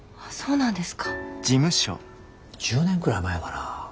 １０年くらい前かな